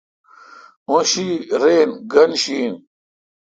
او شی رین گین شی این۔